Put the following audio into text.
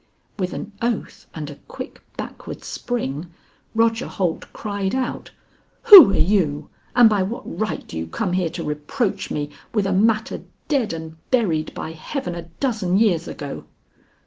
With an oath and a quick backward spring, Roger Holt cried out, "Who are you, and by what right do you come here to reproach me with a matter dead and buried, by heaven, a dozen years ago?"